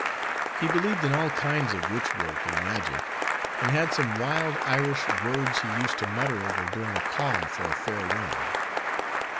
He believed in all kinds of witch work and magic; and had some wild Irish words he used to mutter over during a calm for a fair wind.